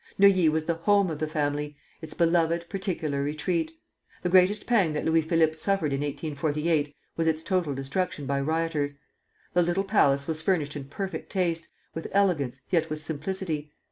Neuilly was the home of the family, its beloved, particular retreat. The greatest pang that Louis Philippe suffered in 1848 was its total destruction by rioters. The little palace was furnished in perfect taste, with elegance, yet with simplicity.